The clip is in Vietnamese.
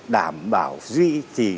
đảm bảo duy trì